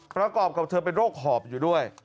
ประกอบกับเธอเป็นโรคหอบอยู่ด้วย